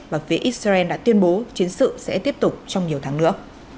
và phía israel đã tuyên bố chiến sự sẽ tiếp tục trong nhiều tháng nữa